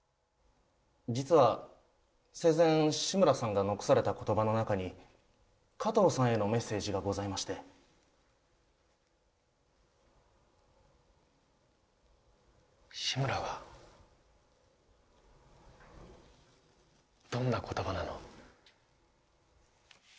実は生前志村さんが残された言葉の中に加藤さんへのメッセージがございまして志村がどんな言葉なの？